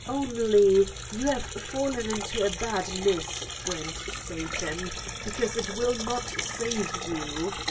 Only you have fallen into a bad mess, friend Satan. Because it will not save you.